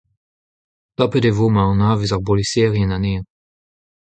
Tapet e vo ma anavez ar boliserien anezhañ.